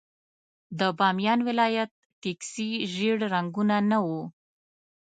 د بامیان ولايت ټکسي ژېړ رنګونه نه وو.